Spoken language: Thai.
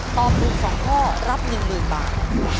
ตอบถูก๒ข้อรับ๑๐๐๐บาท